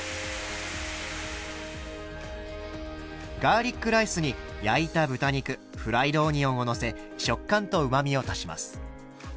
ガーリックライスに焼いた豚肉フライドオニオンをのせ食感とうまみを足します。